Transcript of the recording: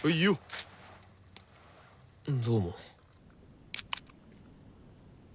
どうも。